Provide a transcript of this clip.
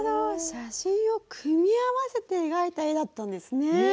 写真を組み合わせて描いた絵だったんですね。